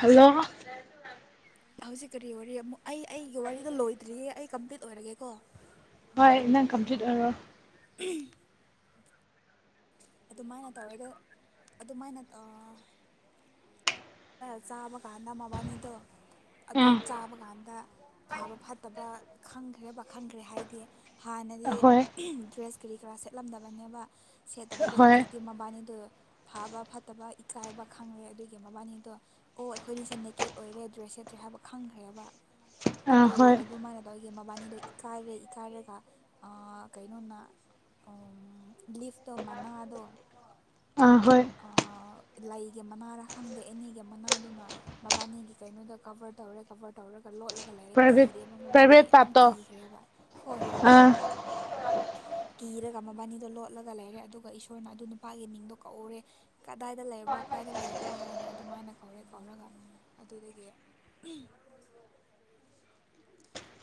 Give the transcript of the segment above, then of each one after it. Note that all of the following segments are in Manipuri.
ꯍꯜꯂꯣ ꯍꯧꯥꯎꯖꯤ ꯀꯔꯤ ꯑꯣꯏꯔꯤ ꯌꯥꯝ ꯑꯩ ꯑꯩꯒꯤ ꯋꯥꯔꯤꯗ ꯂꯣꯏꯗ꯭ꯔꯤꯌꯦ ꯑꯩ ꯀꯝꯄ꯭ꯂꯤꯠ ꯑꯣꯏꯔꯒꯦꯀꯣ ꯍꯣꯏ ꯅꯪ ꯀꯝꯄ꯭ꯂꯤꯠ ꯑꯣꯏꯔꯣ ꯇ ꯑꯗꯨꯃꯥꯏꯅ ꯇꯧꯋꯦꯗꯣ ꯑꯗꯨꯃꯥꯏꯅ ꯆꯥꯕ ꯀꯥꯟꯗ ꯃꯕꯥꯅꯤꯗꯣ ꯑꯗꯨ ꯑꯥ ꯆꯥꯕ ꯀꯥꯟꯗ ꯐꯥꯕ ꯐꯠꯇꯕ ꯈꯪꯈ꯭ꯔꯦꯕ ꯈꯪꯈ꯭ꯔꯦ ꯍꯥꯏꯗꯤ ꯍꯥꯟꯅꯗꯤ ꯍꯣꯏ ꯗ꯭ꯔꯦꯁ ꯀꯔꯤ ꯀꯔꯥ ꯁꯦꯠꯂꯝꯗꯕꯅꯦꯕ ꯐꯠꯇꯕꯗꯣ ꯍꯣꯏ ꯍꯧꯖꯤꯛꯇꯤ ꯃꯕꯥꯅꯤꯗꯨ ꯐꯥꯕ ꯐꯠꯇꯕ ꯏꯀꯥꯏꯕ ꯈꯪꯈ꯭ꯔꯦ ꯑꯗꯨꯒꯤ ꯃꯕꯥꯅꯤꯗꯣ ꯑꯣ ꯑꯩꯈꯣꯏꯅꯤꯁꯦ ꯅꯦꯀꯦꯠ ꯑꯣꯏꯔꯦ ꯗ꯭ꯔꯦꯁ ꯁꯦꯠꯇ꯭ꯔꯦ ꯍꯥꯏꯕ ꯈꯪꯈ꯭ꯔꯦꯕ ꯑꯥ ꯑꯗꯨ ꯍꯣꯏ ꯑꯗꯨꯃꯥꯏꯅ ꯑꯗꯨꯋꯥ ꯑꯩꯒꯤ ꯃꯕꯥꯅꯤꯗꯣ ꯏꯀꯥꯏꯔꯦ ꯏꯀꯥꯏꯔꯒ ꯀꯩꯅꯣꯅ ꯂꯤꯐ ꯣ ꯃꯅꯥꯗ ꯑꯥ ꯍꯣꯏ ꯂꯩꯒꯤ ꯃꯅꯥꯔꯥ ꯈꯪꯗꯦ ꯑꯦꯅꯤꯒꯤ ꯃꯅꯥꯗꯨꯅ ꯃꯕꯥꯅꯤꯒꯤ ꯀꯩꯅꯣꯗꯣ ꯀꯕꯔ ꯇꯧꯔꯦ ꯀꯕꯔ ꯇꯧꯔ ꯂꯣꯠꯂꯒ ꯂꯩꯔꯦ ꯄ꯭ꯔꯥꯏꯚꯦꯠ ꯀꯤꯔꯦ ꯃ ꯃꯕꯥꯅꯤꯗꯣ ꯄ꯭ꯔꯥꯏꯚꯦꯠ ꯌꯥꯝ ꯄꯥꯔꯠꯇꯣ ꯀꯤꯈ꯭ꯔꯦꯕ ꯍꯣꯏ ꯍꯣꯏ ꯍꯣꯏ ꯑꯥ ꯀꯤꯔꯒ ꯃꯕꯥꯅꯤꯗꯣ ꯂꯣꯠꯂꯒ ꯂꯩꯔꯦ ꯑꯗꯨꯒ ꯏꯁꯣꯔꯅ ꯑꯗꯨ ꯅꯨꯄꯥꯒꯤ ꯃꯤꯡꯗꯣ ꯀꯧꯎꯔꯦ ꯀꯗꯥꯏꯗ ꯂꯩꯕ꯭ꯔꯥ ꯀꯗꯥꯏꯗ ꯂꯩꯕ꯭ꯔꯥ ꯍꯥꯏꯅ ꯑꯗꯨꯃꯥꯏꯅ ꯀꯧꯔꯦ ꯀꯧꯔꯒ ꯑꯗꯨꯗꯒꯤ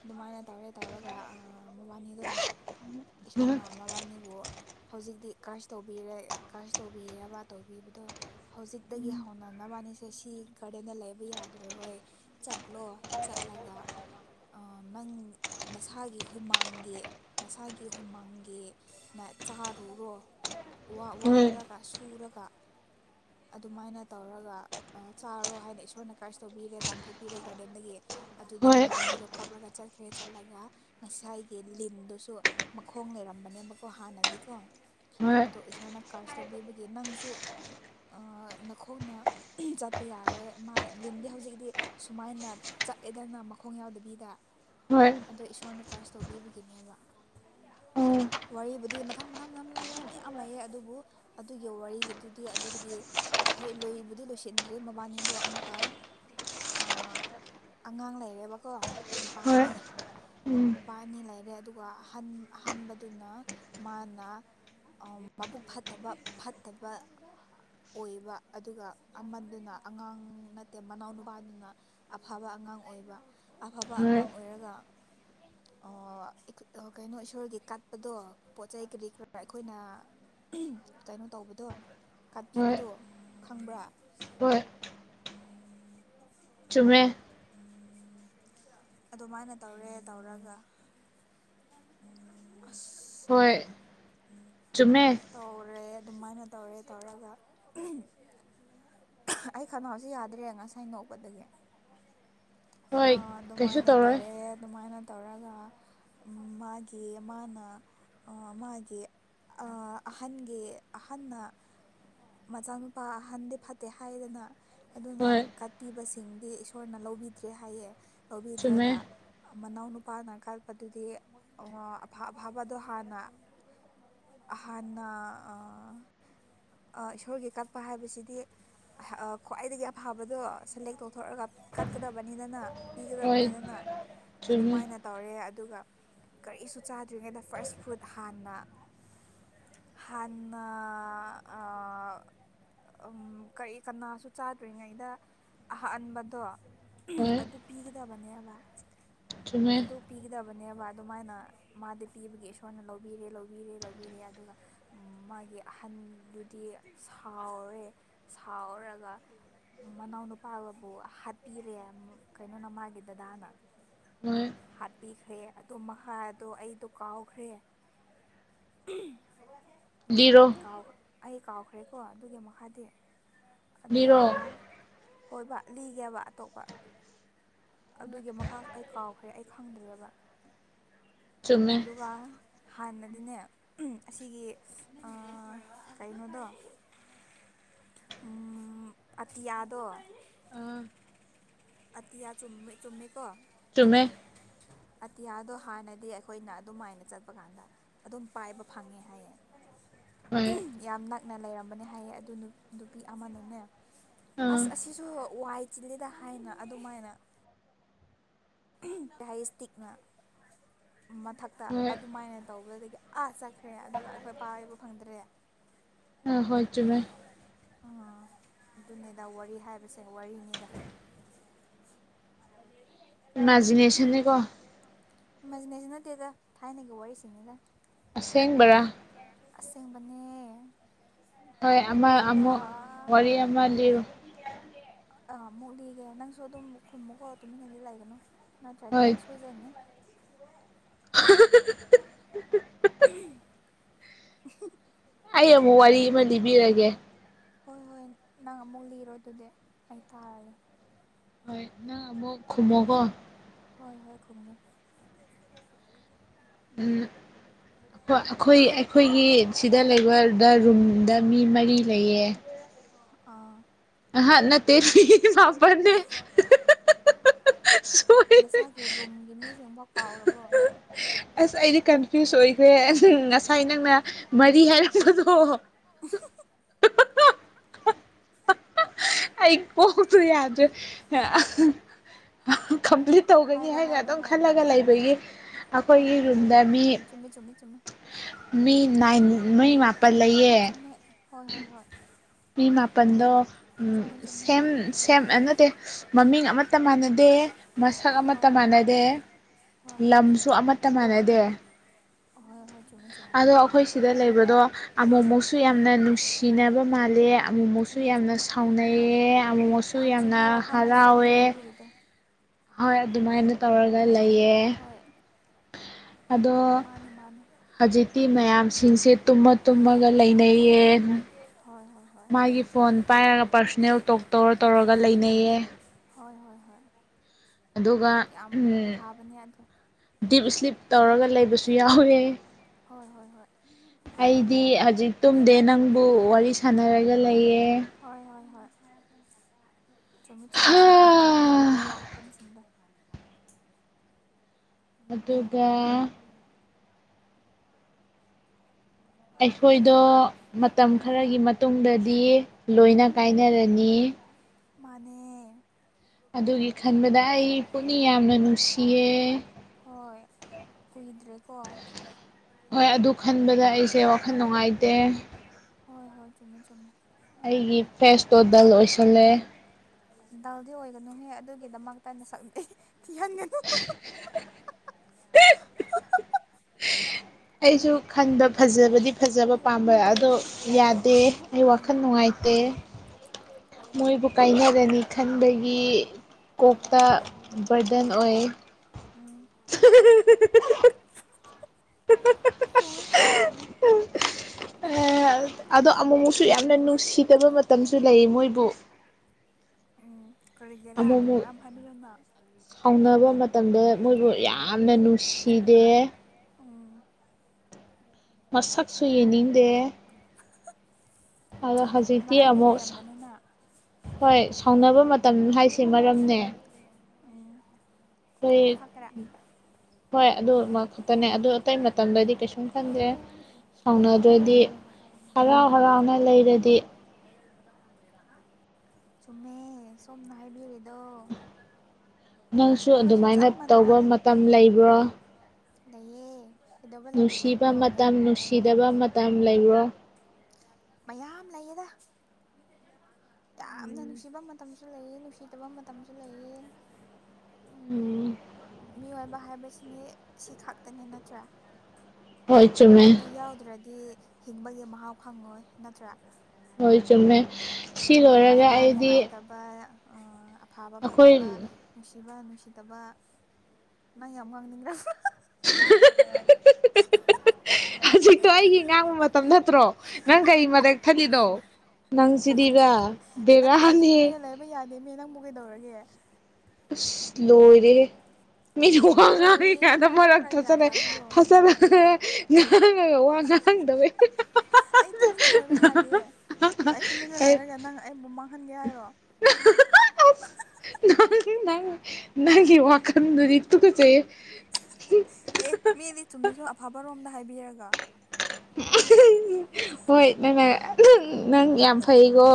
ꯑꯗꯨꯃꯥꯏꯅ ꯇꯧꯔꯦ ꯇꯧꯔꯒ ꯃꯕꯥꯅꯤꯗꯣ ꯍꯣꯏ ꯏꯁꯣꯔꯅ ꯃꯕꯥꯅꯤꯕꯨ ꯍꯧꯖꯤꯛꯇꯤ ꯀꯔꯁ ꯇꯧꯕꯤꯔꯦ ꯀꯔꯁ ꯇꯧꯕꯤꯔꯕ ꯇꯧꯕꯤꯕꯗꯣ ꯍꯧꯖꯤꯛꯇꯒꯤ ꯍꯧꯅ ꯅꯕꯥꯅꯤꯁꯦ ꯁꯤ ꯒꯥꯔꯗꯦꯟꯗ ꯂꯩꯕ ꯌꯥꯗꯔꯔꯣꯏ ꯆꯠꯂꯣ ꯆꯠꯂꯒ ꯅꯪ ꯅꯁꯥꯒꯤ ꯍꯨꯃꯥꯡꯒꯤ ꯅꯁꯥꯒꯤ ꯍꯨꯃꯥꯡꯒꯤꯦ ꯅ ꯆꯥꯔꯨꯔꯣ ꯍꯣꯏ ꯋꯥꯔꯒ ꯁꯨꯔꯒ ꯑꯗꯨꯃꯥꯏꯅ ꯇꯧꯔꯒ ꯆꯥꯔꯣ ꯍꯥꯏꯅ ꯏꯁꯣꯔꯅ ꯀꯔꯁ ꯇꯧꯕꯤꯔꯦ ꯇꯥꯟꯊꯣꯛꯄꯤꯔꯦ ꯒꯥꯔꯗꯦꯟꯗꯒꯤ ꯑꯗꯨꯗꯒꯤ ꯍꯣꯏ ꯃꯕꯥꯅꯤꯗꯣ ꯀꯥꯞꯂꯒ ꯆꯠꯈ꯭ꯔꯦ ꯆꯠꯂꯒ ꯉꯁꯥꯏꯒꯤ ꯂꯤꯟꯗꯨꯁꯨ ꯃꯈꯣꯡ ꯂꯩꯔꯝꯕꯅꯦꯕꯀꯣ ꯍꯥꯟꯅꯗꯤꯀꯣ ꯑꯗꯣ ꯏꯁꯣꯔꯅ ꯀꯔꯁ ꯇꯧꯕꯤꯕꯒꯤ ꯅꯪꯁꯨ ꯅꯈꯣꯡꯅ ꯆꯠꯄ ꯌꯥꯔꯔꯣꯏ ꯃꯥ ꯂꯤꯟꯗꯤ ꯍꯧꯖꯤꯛꯇꯤ ꯁꯨꯃꯥꯏꯅ ꯆꯠꯑꯦꯗꯅ ꯃꯈꯣꯡ ꯌꯥꯎꯗꯕꯤꯗ ꯍꯣꯏ ꯑꯗꯣ ꯏꯁꯣꯔꯅ ꯀꯥꯏꯁꯨ ꯇꯧꯕꯤꯕꯒꯤꯅꯦꯕ ꯎꯝ ꯋꯥꯔꯤꯕꯨꯗꯤ ꯃꯊꯪ ꯃꯊꯪ ꯃꯊꯪ ꯃꯌꯥꯝ ꯂꯩꯌꯦ ꯑꯗꯨꯕꯨ ꯑꯗꯨꯒꯤ ꯋꯥꯔꯤꯗꯨꯗꯤ ꯑꯗꯨꯗꯒꯤ ꯍꯣꯏ ꯂꯣꯏꯕꯨꯗꯤ ꯂꯣꯏꯁꯤꯟꯗ꯭ꯔꯤ ꯃꯕꯥꯅꯤꯗꯣ ꯑꯃꯨꯛꯀ ꯑꯉꯥꯡ ꯂꯩꯔꯦꯕꯀꯣ ꯅꯨꯄꯥ ꯍꯣꯏ ꯑꯅꯤ ꯎꯝ ꯅꯨꯄꯥ ꯑꯅꯤ ꯂꯩꯔꯦ ꯑꯗꯨꯒ ꯑꯍ ꯑꯍꯟꯕꯗꯨꯅ ꯃꯥꯅ ꯃꯕꯨꯛ ꯐꯠꯇꯕ ꯐꯠꯇꯕ ꯑꯣꯏꯕ ꯑꯗꯨꯒ ꯑꯃꯗꯨꯅ ꯑꯉꯥꯡ ꯅꯠꯇꯦ ꯃꯅꯥꯎꯅꯨꯄꯥꯗꯨꯅ ꯑꯐꯕ ꯑꯉꯥꯡ ꯑꯣꯏꯕ ꯑꯐꯕ ꯍꯣꯏ ꯑꯉꯥꯡ ꯑꯣꯏꯔꯒ ꯀꯩꯅꯣ ꯏꯁꯣꯔꯒꯤ ꯀꯠꯄꯗꯣ ꯄꯣꯠ ꯆꯩ ꯀꯔꯤ ꯀꯔꯥ ꯑꯩꯈꯣꯏꯅ ꯀꯩꯅꯣ ꯇꯧꯕꯗꯣ ꯍꯣꯏ ꯄꯤꯕꯗꯣ ꯈꯪꯕ꯭ꯔꯥ ꯍꯣꯏ ꯆꯨꯝꯃꯦ ꯎ ꯑꯗꯨꯃꯥꯏꯅ ꯇꯧꯔꯦ ꯇꯧꯔꯒ ꯑꯁ ꯍꯣꯏ ꯆꯨꯝꯃꯦ ꯇꯧꯔꯦ ꯑꯗꯨꯃꯥꯏꯅ ꯇꯧꯔꯦ ꯇꯧꯔꯒ ꯑꯩ ꯀꯩꯅꯣꯁꯨ ꯌꯥꯗ꯭ꯔꯦ ꯉꯁꯥꯏ ꯅꯣꯛꯄꯗꯒꯤ ꯍꯣꯏ ꯑꯥ ꯀꯩꯁꯨ ꯑꯗꯨꯃꯥꯏꯅ ꯇꯧꯔꯣꯏ ꯇꯧꯔꯦ ꯑꯗꯨꯃꯥꯏꯅ ꯇꯧꯔꯒ ꯃꯥꯒꯤ ꯃꯥꯅ ꯃꯥꯒꯤ ꯑꯍꯟꯒꯤ ꯑꯍꯟꯅ ꯃꯆꯥꯅꯨꯄꯥ ꯑꯍꯟꯗꯤ ꯐꯠꯇꯦ ꯍꯥꯏꯗꯅ ꯑꯗꯨꯅ ꯍꯣꯏ ꯀꯠꯄꯤꯕꯁꯤꯡꯗꯤ ꯏꯁꯣꯔꯅ ꯂꯧꯕꯤꯗ꯭ꯔꯦ ꯍꯥꯏꯌꯦ ꯀꯕꯤ ꯆꯨꯝꯃꯦ ꯖꯒꯥ ꯃꯅꯥꯎꯅ ꯄꯥꯅ ꯀꯥꯔꯛꯄꯗꯨꯗꯤ ꯚꯥꯕꯗꯣ ꯍꯥꯟꯅ ꯍꯥꯟꯅ ꯈꯣꯔꯒꯤ ꯀꯛꯄ ꯍꯥꯏꯕꯁꯤꯗꯤ ꯈ꯭ꯋꯥꯏꯗꯒꯤ ꯑꯐꯕꯗꯣ ꯁꯦꯂꯦꯛ ꯇꯧꯊꯣꯔꯑꯒ ꯀꯛꯀꯗꯕꯅꯤꯗꯅ ꯍꯣꯏ ꯄꯤꯒꯗꯕꯅꯤꯗꯅ ꯆꯨꯝꯃꯦ ꯑꯗꯨꯝꯃꯥꯏꯅ ꯇꯧꯔꯦ ꯑꯗꯨꯒ ꯀꯔꯤꯁꯨ ꯆꯥꯗ꯭ꯔꯤꯉꯩꯗ ꯐꯥꯔꯁ ꯐꯨꯗ ꯍꯥꯟꯅ ꯍꯥꯟꯅ ꯀꯔꯤ ꯀꯅꯥꯁꯨ ꯆꯥꯗ꯭ꯔꯤꯉꯩꯗ ꯑꯍꯑꯟꯕꯗꯣ ꯍꯣꯏ ꯑꯗꯨ ꯄꯤꯒꯗꯕꯅꯦꯕ ꯆꯨꯝꯃꯦ ꯑꯗꯨ ꯄꯤꯒꯗꯕꯅꯤ ꯅꯦꯕ ꯑꯗꯨꯃꯥꯏꯅ ꯃꯥꯗꯤ ꯄꯤꯕꯒꯤ ꯏꯁꯣꯔꯅ ꯂꯧꯕꯤꯔꯦ ꯂꯧꯕꯤꯔꯦ ꯂꯧꯕꯤꯔꯦ ꯑꯗꯨꯒ ꯃꯥꯒꯤ ꯑꯍꯟꯗꯨꯗꯤ ꯁꯥꯎꯔꯦ ꯁꯥꯎꯔꯒ ꯃꯅꯥꯎꯅꯨꯄꯥꯒꯕꯨ ꯍꯥꯠꯄꯤꯔꯦ ꯀꯩꯅꯣꯅ ꯃꯥꯒꯤ ꯗꯗꯥꯅ ꯍꯣꯏ ꯍꯥꯄꯤꯈ꯭ꯔꯦ ꯑꯗꯣ ꯃꯍꯥꯗꯣ ꯑꯩꯗꯣ ꯀꯥꯎꯈ꯭ꯔꯦ ꯂꯤꯔꯣ ꯀꯥꯎ ꯑꯩ ꯀꯥꯎꯈ꯭ꯔꯦꯀꯣ ꯑꯗꯨꯒꯤ ꯃꯈꯥꯗꯤ ꯂꯤꯔꯣ ꯑꯗꯨꯒ ꯍꯣꯏꯕ ꯂꯤꯒꯦꯕ ꯑꯇꯣꯞꯄ ꯑꯗꯨꯒꯤ ꯃꯈꯥꯁꯨ ꯑꯩ ꯀꯥꯎꯈ꯭ꯔꯦ ꯑꯩ [unintelligible] ꯈꯪꯗ꯭ꯔꯦꯕ ꯆꯨꯝꯃꯦ ꯑꯗꯨꯒ ꯍꯥꯟꯅꯗꯤꯅꯦ ꯑꯁꯤꯒꯤ ꯀꯩꯅꯣꯗꯣ ꯑꯇꯤꯌꯥꯗꯣ ꯑꯥ ꯑꯇꯤꯌꯥ ꯆꯨꯝꯃꯦ ꯆꯨꯝꯃꯦꯀꯣ ꯇꯨꯃꯦ ꯑꯇꯤꯌꯥꯗꯣ ꯍꯥꯟꯅꯗꯤ ꯑꯩꯈꯣꯏꯅ ꯑꯗꯨꯝꯥꯏꯅ ꯆꯠꯄ ꯀꯥꯟꯗ ꯑꯗꯨꯝ ꯄꯥꯏꯕ ꯐꯪꯉꯦ ꯍꯥꯏꯌꯦ ꯍꯣꯏ ꯌꯥꯝꯅ ꯅꯛꯅ ꯂꯩꯔꯝꯕꯅꯦ ꯍꯥꯏꯌꯦ ꯑꯗꯨ ꯅꯨꯄꯤ ꯑꯃꯅꯅꯦ ꯑꯥ ꯑꯁ ꯑꯁꯤꯁꯨ ꯋꯥꯏ ꯆꯤꯜꯂꯦꯗ ꯍꯥꯏꯅ ꯑꯗꯨꯃꯥꯏꯅ ꯥꯏ ꯏꯁꯇꯛꯅ ꯃꯊꯛꯇ ꯍꯣꯏ ꯑꯗꯨꯃꯥꯏꯅ ꯇꯧꯕꯗꯒꯤ ꯑꯁꯛ ꯈ꯭ꯔꯦ ꯑꯗꯨꯒ ꯑꯩꯈꯣꯏ ꯄꯥꯕ ꯐꯪꯗ꯭ꯔꯦ ꯑ ꯍꯣꯏ ꯆꯃꯦꯥꯏ ꯎꯥ ꯑꯗꯨꯅꯤꯗ ꯋꯥꯔꯤ ꯍꯥꯏꯕꯁꯦ ꯋꯥꯔꯤꯅꯤꯗ ꯃꯥꯖꯤꯅꯦꯁꯅꯤꯀꯣ ꯃꯅꯦꯁꯤ ꯅꯠꯇꯦꯗ ꯊꯥꯏꯅꯒꯤ ꯋꯥꯔꯤꯁꯤꯅꯤꯗ ꯑꯁꯦꯡꯕꯔꯥ ꯑꯁꯦꯡꯕꯅꯦ ꯍꯣꯏ ꯑꯃ ꯑꯗꯨꯒ ꯑꯃꯨꯛ ꯋꯥꯔꯤ ꯑꯥ ꯑꯃ ꯂꯤꯔꯨ ꯑꯥ ꯑꯃꯨꯛ ꯂꯤꯒꯦ ꯅꯪꯁꯨ ꯑꯗꯨꯝ ꯈꯨꯝꯃꯨꯛꯀꯧ ꯇꯨꯃꯤꯟꯅꯗꯤ ꯂꯩꯒꯅꯨ ꯅꯠꯇ꯭ꯔꯗꯤ ꯍꯣꯏ ꯅꯪ ꯁꯣꯏꯖꯅꯦ [inaudible] [inaudible] ꯑꯩ ꯑꯃꯨꯛ ꯋꯥꯔꯤ ꯑꯃ ꯂꯤꯕꯤꯔꯒꯦ ꯍꯣꯏ ꯍꯣꯏ ꯅꯪ ꯑꯃꯨꯛ ꯂꯤꯔꯣ ꯑꯗꯨꯗꯤ ꯑꯩ ꯇꯥꯔꯒꯦ ꯍꯣꯏ ꯅꯪ ꯑꯃꯨꯛ ꯈꯨꯃꯣꯒꯣ ꯍꯣꯏ ꯍꯣꯏ ꯈꯨꯝꯒꯦ ꯎꯝ ꯑꯩꯈꯣꯏ ꯑꯩꯈꯣꯏꯒꯤ ꯁꯤꯗ ꯂꯩꯕꯗ ꯔꯨꯝꯗ ꯃꯤ ꯃꯔꯤ ꯂꯩꯌꯦ ꯑꯥ ꯍꯥ ꯅꯠꯇ ꯃꯥꯄꯟꯅꯦꯦ ꯅꯁꯥꯒꯤ ꯔꯨꯝꯒꯤ ꯃꯤꯁꯤꯡꯐꯥꯎ ꯀꯥꯎꯔꯕꯣ ꯑꯁ ꯑꯩꯗꯤ ꯀꯟꯐ꯭ꯌꯨꯁ ꯑꯣꯏꯈ꯭ꯔꯦ ꯑꯁ ꯉꯁꯥꯏ ꯅꯪꯅ ꯃꯔꯤ ꯍꯥꯏꯔꯛꯈꯤꯕꯗꯣ ꯑꯩ ꯄꯣꯛꯄꯁꯨ ꯌꯥꯗ꯭ꯔꯦ ꯀꯝꯄ꯭ꯂꯤꯠ ꯇꯧꯒꯅꯤ ꯍꯥꯏꯔꯣ ꯍꯥꯏꯅ ꯍꯥꯏꯔꯣ ꯑꯗꯨꯝ ꯍꯥꯏꯔꯣ ꯈꯜꯂꯒ ꯂꯩꯕꯒꯤ ꯍꯣꯏ ꯑꯩꯈꯣꯏꯒꯤ ꯍꯣꯏ ꯍꯣꯏ ꯔꯨꯝꯗ ꯃꯤ ꯆꯨꯝꯃꯤ ꯆꯨꯝꯃꯤ ꯆꯨꯝꯃꯤ ꯃꯤ ꯅꯥꯏ ꯃꯣꯏ ꯃꯥꯄꯜ ꯂꯩꯌꯦ ꯆꯨꯝꯃꯦ ꯍꯣꯏ ꯍꯣꯏ ꯍꯣꯏ ꯃꯤꯃ ꯄꯟꯗꯣ ꯆꯨꯝꯃꯦ ꯆꯨꯝꯃꯦ ꯁꯦꯝ ꯗꯤ ꯃꯃꯤꯡ ꯑꯃꯠꯇ ꯃꯥꯟꯅꯗꯦ ꯃꯁꯛ ꯑꯃꯠꯇ ꯍꯣꯏ ꯍꯣꯏ ꯍꯣꯏ ꯃꯥꯟꯅꯗꯦ ꯍꯣꯏ ꯍꯣꯏ ꯂꯝꯁꯨ ꯑꯃꯠꯇ ꯃꯥꯟꯅꯗꯦ ꯑꯍꯣꯏ ꯍꯣꯏ ꯆꯨꯝꯃꯦ ꯆꯨꯝꯃꯦ ꯑꯗꯣ ꯑꯩꯈꯣꯏ ꯁꯤꯗ ꯂꯩꯕꯗꯣ ꯑꯃꯨꯛ ꯑꯃꯨꯛꯁꯨ ꯌꯥꯝꯅ ꯅꯨꯡꯁꯤꯅꯕ ꯃꯥꯜꯂꯦ ꯑꯃꯨꯃꯛꯁꯨ ꯆꯨꯝꯃꯦ ꯌꯥꯝꯅ ꯆꯨꯝꯃꯦ ꯁꯥꯎꯅꯩꯑ ꯑꯃꯨꯃꯁꯨ ꯌꯥꯝꯅ ꯍꯔꯥꯎꯑꯦ ꯔꯤꯗ ꯍꯣꯏ ꯑꯗꯨꯃꯥꯏꯅ ꯇꯧꯔꯒ ꯂꯩꯌꯦ ꯍꯣꯏ ꯑꯗꯣ ꯃꯥꯅꯤ ꯃꯥꯅꯤ ꯍꯧꯖꯤꯛꯇꯤ ꯃꯌꯥꯝꯁꯤꯡꯁꯦ ꯇꯨꯝꯃ ꯇꯨꯝꯃꯒ ꯂꯩꯅꯩꯌꯦ ꯍꯣꯏ ꯍꯣꯏ ꯍꯣꯏ ꯃꯥꯒꯤ ꯐꯣꯟ ꯄꯥꯏꯔꯒ ꯄꯥꯔꯁꯣꯅꯦꯜ ꯇꯣꯛ ꯇꯧꯔ ꯇꯧꯔꯒ ꯂꯩꯅꯩꯌꯦ ꯍꯣꯏ ꯍꯣꯏ ꯍꯣꯏ ꯑꯗꯨꯒ ꯌꯥꯝ ꯐꯕꯅꯦ ꯑꯗꯣ ꯇ ꯏꯁꯂꯤ ꯇꯧꯔꯒ ꯂꯩꯕꯁꯨ ꯌꯥꯎꯋꯦ ꯍꯣꯏ ꯍꯣꯏ ꯍꯣꯏ ꯑꯩꯗꯤ ꯍꯧꯖꯤꯛ ꯇꯨꯝꯗꯦ ꯅꯪꯕꯨ ꯋꯥꯔꯤ ꯁꯥꯟꯅꯔꯒ ꯂꯩꯌꯦ ꯍ ꯊ ꯆꯗ ꯆꯨꯝꯃꯤ ꯆꯨꯝꯃꯤ ꯁꯣꯝꯅ ꯇꯥꯛꯄꯤꯔꯤꯕ ꯋꯥꯐꯝꯁꯤꯡꯗ [inaudible] ꯑꯗꯨꯒ ꯑꯩꯈꯣꯏꯗꯣ ꯃꯇꯝ ꯈꯔꯒꯤ ꯎꯝ ꯃꯇꯨꯡꯗꯗꯤ ꯂꯣꯏꯅ ꯀꯥꯏꯅꯔꯅꯤ ꯃꯅꯦ ꯑꯗꯨꯒꯤ ꯈꯟꯕꯗ ꯑꯩ ꯄꯨꯛꯅꯤ ꯌꯥꯝꯅ ꯅꯨꯡꯁꯤꯌꯦ ꯍꯣꯏꯈꯣꯏꯒ꯭ꯔꯦ ꯀ ꯍꯣꯏ ꯑꯗꯨ ꯈꯟꯕꯗ ꯑꯩꯁꯦ ꯋꯥꯈꯜ ꯅꯨꯡꯉꯥꯏꯇꯦ ꯍꯣꯏ ꯍꯣꯏ ꯃꯦ ꯆꯨꯝꯃꯦ ꯑꯩꯒꯤ ꯐꯦꯁꯇꯣ ꯗꯜ ꯑꯣꯏꯁꯜꯂꯦ ꯗꯗꯥꯜꯗꯤ ꯑꯣꯏꯒꯅꯨꯍꯦ ꯑꯗꯨꯒꯤꯗꯃꯛꯇ ꯑꯩꯅ ꯁꯛ ꯊ ꯌꯥ ꯑꯩꯁꯨ ꯈꯟꯕ ꯐꯖꯕꯗꯤ ꯐꯖꯕ ꯄꯥꯝ ꯝꯕ ꯑꯗꯣ ꯌꯥꯗꯦ ꯑꯩ ꯎꯝ ꯋꯥꯈꯜ ꯅꯨꯡꯉꯥꯏꯇꯦ ꯃꯣꯏꯕꯨ ꯀꯥꯏꯅꯔꯅꯤ ꯈꯟꯕꯒꯤ ꯍꯣꯏ ꯍꯣꯏ ꯀꯣꯛꯇ ꯕꯔꯗꯟ ꯑꯣꯏ ꯎꯝ ꯆꯨꯝꯃꯦ ꯆꯨꯝꯃꯦ ꯆꯨꯝꯃꯦ ꯑꯗꯣ ꯑꯃꯨꯛꯨꯛꯁꯨ ꯌꯥꯝꯅ ꯅꯨꯡꯁꯤꯗꯕ ꯃꯇꯝꯁꯨ ꯂꯩ ꯃꯣꯏꯕꯨ ꯎꯝ ꯑꯃꯨꯛ ꯀꯔꯤꯒꯤꯔꯥ ꯑꯃꯨꯛ ꯃꯔꯝ ꯍꯥꯏꯕꯤꯌꯨꯅ ꯁꯥꯎꯅꯕ ꯃꯇꯝꯗ ꯃꯣꯏꯕꯨ ꯌꯥꯝꯅ ꯅꯨꯡꯁꯤꯗꯦ ꯎꯝ ꯃꯁꯛꯁꯨ ꯌꯦꯡꯅꯤꯡꯗꯦ ꯑꯣ ꯍꯧꯖꯤꯗꯤꯤ ꯃꯔꯝꯗꯤ ꯌꯥꯝꯃꯣ ꯂꯩꯔꯝꯒꯅꯤꯅ ꯍꯣꯏ ꯁꯥꯎꯅꯕ ꯃꯇꯝ ꯍꯥꯏꯁꯤ ꯃꯔꯝꯅꯦ ꯎꯝ ꯑꯩꯈꯣꯏ ꯑꯗꯨ ꯈꯛꯇꯔ ꯍꯣꯏ ꯑꯗꯨ ꯈꯛꯇꯅꯦ ꯑꯗꯨ ꯑꯇꯩ ꯃꯇꯝꯗꯗꯤ ꯀꯩꯁꯨꯝ ꯈꯟꯗꯦ ꯍꯣꯏ ꯁꯥꯎꯅꯗ꯭ꯔꯗꯤ ꯍꯣꯏ ꯍꯣꯏ ꯍꯔꯥꯎ ꯍꯔꯥꯎꯅ ꯂꯩꯔꯗꯤ ꯆꯨꯝꯃꯦ ꯁꯣꯝꯅ ꯍꯥꯏꯕꯤꯔꯤꯗꯣ ꯅꯪꯁꯨ ꯑꯩꯈꯣꯏꯁꯨ ꯑꯗꯨꯃꯥꯏꯅ ꯆꯞ ꯇꯧꯕ ꯃꯇꯝ ꯂꯩꯕ꯭ꯔꯣ ꯂꯩꯏꯌꯦ ꯅꯨꯡꯁꯤꯕ ꯃꯇꯝ ꯅꯨꯡꯁꯤꯗꯕ ꯃꯇꯝ ꯂꯩꯔ꯭ꯔꯣ ꯃꯌꯥꯝ ꯂꯩꯌꯦꯗ ꯌꯥꯝꯅ ꯅꯨꯡꯁꯤꯕ ꯃꯇꯝꯁꯨ ꯂꯩꯑ ꯅꯨꯡꯁꯤꯗꯕ ꯃꯇꯝꯁꯨ ꯂꯩꯑ ꯎꯝ ꯃꯤꯑꯣꯏꯕ ꯍꯥꯏꯕꯁꯤꯅꯤ ꯁꯤ ꯈꯛꯇꯅꯤ ꯅꯠꯇ꯭ꯔꯥ ꯍꯣꯏ ꯆꯨꯝꯃꯦ ꯑꯗꯨ ꯌꯥꯎꯗ꯭ꯔꯗꯤ ꯍꯤꯡꯕꯒꯤ ꯃꯍ ꯐꯪꯉꯣꯏ ꯅꯠꯇ꯭ꯔꯥ ꯍꯣꯏ ꯆꯨꯝꯃꯦ ꯁꯤ ꯂꯣꯏꯔꯒ ꯅꯨꯡꯉꯥꯏꯕ ꯑꯩꯗꯤ ꯅꯨꯡꯉꯥꯏꯇꯕ ꯐꯥꯕ ꯑꯩꯈꯣꯏ ꯐꯠꯇꯕ ꯅꯨꯡꯕ ꯅꯨꯡꯁꯤꯗꯕ ꯅꯪ ꯌꯥꯝ ꯉꯥꯡꯅꯤꯡꯗ꯭ꯔꯦ ꯍꯧꯖꯤꯛꯇꯣ ꯑꯩꯒꯤ ꯉꯥꯡꯕ ꯃꯇꯝ ꯅꯠꯇ꯭ꯔꯣ ꯅꯪ ꯀꯔꯤ ꯃꯔꯛ ꯊꯂꯤꯅꯣ ꯅꯪꯁꯤꯗꯤꯕ ꯕꯥ ꯍꯅꯤ ꯑꯗꯦ ꯃ ꯅꯪꯕꯨ ꯀꯩꯗꯧꯔꯒꯦ ꯂꯣꯏꯔ ꯃꯤꯁꯨ ꯋꯥ ꯉꯥꯡꯉꯤ ꯂꯣꯏꯔꯦꯍꯦ ꯀꯥꯏꯗ ꯅꯪꯁꯨ ꯃꯔꯛ ꯈꯔ ꯒ꯭ꯌꯥꯟ ꯐꯖꯅ ꯇꯥꯕꯤꯌꯣ ꯐꯖꯅ ꯉꯥꯡꯥꯡꯉꯒ ꯋꯥ ꯉꯥꯡꯥꯡꯗꯕ ꯑꯩ ꯇꯨꯃꯤꯟꯅ ꯂꯩꯕ ꯌꯥꯗꯦ ꯀ ꯈꯟꯒꯦ ꯍꯥꯏꯔꯣ ꯅꯪ ꯅꯪ ꯅꯪꯒꯤ ꯋꯥꯈꯟꯗꯨꯗꯤ ꯇꯨꯁꯦ ꯑꯦ ꯃꯤꯗꯤ ꯆꯨꯝꯅꯁꯨ ꯑꯐꯥꯕ ꯔꯣꯝꯗ ꯍꯥꯏꯕꯤꯔꯒ ꯍꯣꯏ ꯅꯪ ꯅꯪ ꯌꯥꯝ ꯐꯩꯀꯣ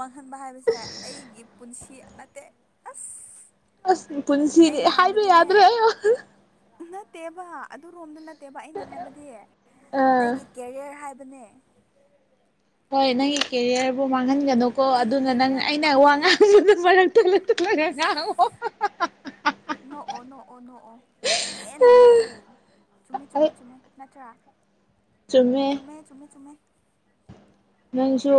ꯃꯥꯡꯍꯟꯕ ꯍꯥꯏꯕꯁꯦ ꯑꯩꯒꯤ ꯄꯨꯟꯁꯤ ꯅꯠꯇꯦ ꯑꯁ ꯑꯁꯅꯤ ꯄꯨꯟꯁꯤꯅꯦ ꯑꯩꯅ ꯍꯥꯏꯕ ꯌꯥꯗ꯭ꯔꯣ ꯠꯇꯦꯕ ꯑꯗꯨ ꯔꯣꯝꯗ ꯅꯠꯇꯦ ꯅꯠꯇꯦꯕ ꯑꯩꯅ ꯍꯥꯏꯕꯗꯤ ꯑꯥ ꯑꯩꯒꯤ ꯀꯦꯔꯤꯌꯔ ꯍꯥꯏꯕ ꯑꯅꯦ ꯍꯣꯏ ꯅꯪꯒꯤ ꯀꯦꯔꯤꯌꯔꯕꯨ ꯃꯥꯡꯍꯟꯒꯅꯨꯀꯣ ꯑꯩꯒꯤ ꯑꯗꯨꯅ ꯅꯪ ꯑꯩꯅ ꯋꯥ ꯀꯦꯔꯤꯌꯔꯃꯛꯇꯤ ꯉꯥꯡꯁꯨ ꯃꯔꯂꯂꯒ ꯑꯁ ꯉꯥꯡꯉꯑꯣ ꯅꯣꯛꯑꯣ ꯅꯣꯛꯑꯣ ꯅꯣꯛꯑꯣ ꯄꯦꯟꯅ ꯅꯣꯛꯑꯣ ꯆꯨꯝꯃꯦ ꯆꯨꯝꯃꯦ ꯆꯨꯝꯃꯦ ꯅꯠꯇ꯭ꯔꯥ ꯆꯨꯝꯃꯦ ꯆꯨꯝꯃꯦ ꯆꯨꯝꯃꯦ ꯅꯟꯁꯨ